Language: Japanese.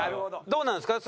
どうなんですか？